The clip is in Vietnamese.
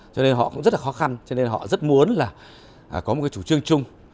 cho nên họ cũng rất là khó khăn cho nên họ rất muốn là có một cái chủ trương chung